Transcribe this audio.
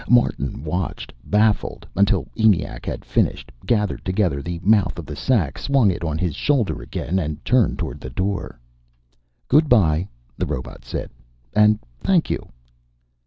Martin watched, baffled, until ENIAC had finished, gathered together the mouth of the sack, swung it on his shoulder again, and turned toward the door. "Good bye," the robot said. "And thank you."